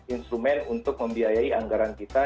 instrumen untuk membiayai anggaran kita